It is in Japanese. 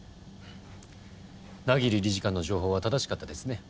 百鬼理事官の情報は正しかったですね。